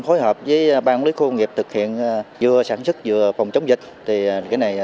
phối hợp với bang lý khu công nghiệp thực hiện vừa sản xuất vừa phòng chống dịch thì cái này